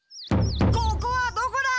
ここはどこだ！